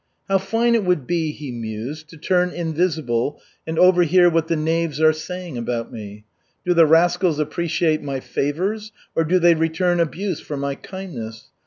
"How fine it would be," he mused, "to turn invisible and overhear what the knaves are saying about me. Do the rascals appreciate my favors or do they return abuse for my kindness?